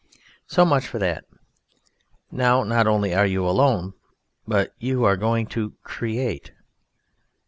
So much for that. Now not only are you alone, but you are going to "create".